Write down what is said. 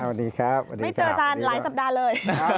สวัสดีครับวันนี้ไม่เจออาจารย์หลายสัปดาห์เลย